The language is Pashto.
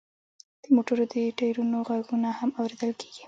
د موټرو د ټیرونو غږونه هم اوریدل کیږي